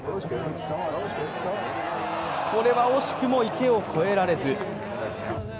これは惜しくも池を越えられず。